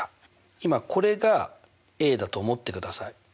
今これがだと思ってください。